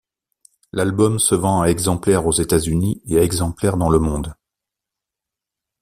L'album se vend à exemplaires aux États-Unis et à exemplaires dans le monde.